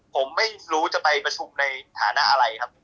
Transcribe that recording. ผมไม่รู้จะไปประชุมในฐานะอะไรครับ